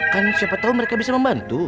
kan siapa tahu mereka bisa membantu